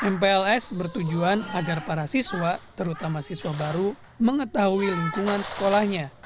mpls bertujuan agar para siswa terutama siswa baru mengetahui lingkungan sekolahnya